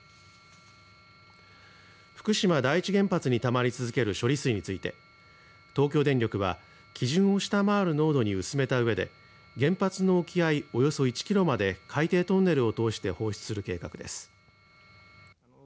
福島第一原発にたまり続ける処理水について東京電力は基準を下回る濃度に薄めたうえで原発の沖合およそ１キロまで海底トンネルを通して放出する計画です。